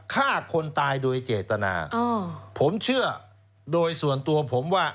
ฆ่าคนตายโดยเจตนาผมเชื่อโดยส่วนตัวผมว่า